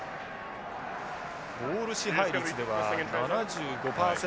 ボール支配率では７５％日本。